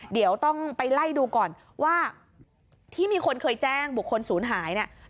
เดี๋ยวต้องไปไล่ดูก่อนว่าที่มีคนเคยแจ้งบุคคลศูนย์หายเนี่ย